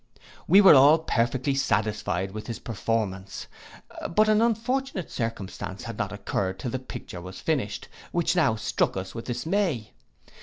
We were all perfectly satisfied with his performance; but an unfortunate circumstance had not occurred till the picture was finished, which now struck us with dismay.